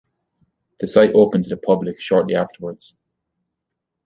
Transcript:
The site opened to the public shortly afterwards.